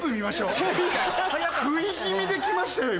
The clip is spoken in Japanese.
食い気味で来ましたよ